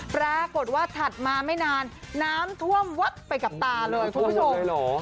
ปรากฏว่าถัดมาไม่นานน้ำท่วมวัดไปกับตาเลยคุณผู้ชม